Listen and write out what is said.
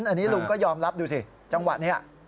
อันนี้ลุงก็ยอมรับดูสิจังหวะนี้